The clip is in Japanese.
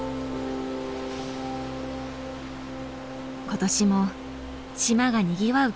今年も島がにぎわう